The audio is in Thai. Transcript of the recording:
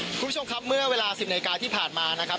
คุณผู้ชมครับเมื่อเวลา๑๐นาฬิกาที่ผ่านมานะครับ